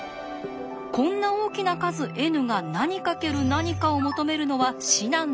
こんな大きな数Ｎが何かける何かを求めるのは至難の業。